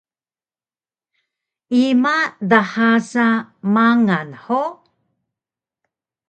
Ima dha sa mangal hug?